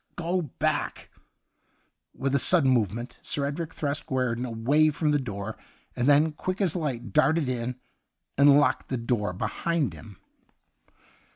' Go back !' With a sudden movement, Sir Edric thrust Guerdon away from the door, and then, quick as light, darted in, and locked the door be hind him.